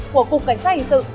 của cục cảnh sát hình sự